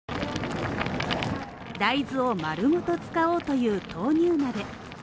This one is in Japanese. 大豆を丸ごと使おうという豆乳鍋。